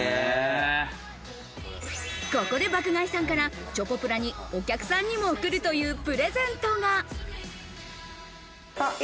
ここで爆買いさんからチョコプラにお客さんにも贈るというプレゼントが。